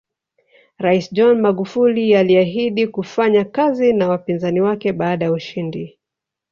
Rais John Magufuli aliahidi kufanya kazi na wapinzani wake baada ya ushindi